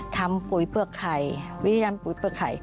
ทำปุ๋ยเปลือกไข่วิธีทำปุ๋ยเปลือกไข่